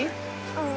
うん。